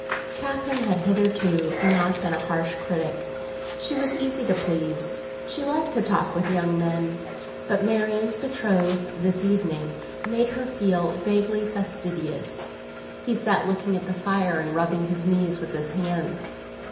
Catherine had hitherto not been a harsh critic; she was easy to please—she liked to talk with young men. But Marian's betrothed, this evening, made her feel vaguely fastidious; he sat looking at the fire and rubbing his knees with his hands.